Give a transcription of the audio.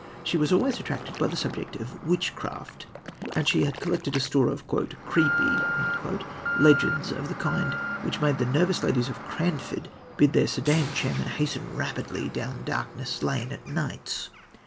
She was always attracted by the subject of witchcraft; and she had collected a store of "creepy" legends of the kind which made the nervous ladies of Cranford bid their sedan chairmen hasten rapidly down Darkness Lane at nights.